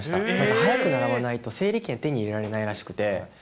早くならばないと整理券手に入れられないらしくて。